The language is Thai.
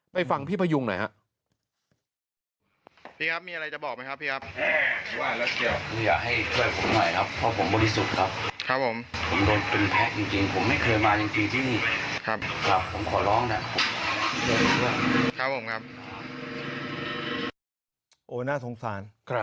ไปฟังพี่พยุงหน่อยฮะ